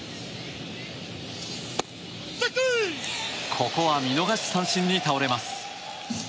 ここは見逃し三振に倒れます。